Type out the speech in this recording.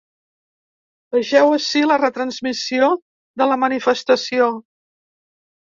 Vegeu ací la retransmissió de la manifestació.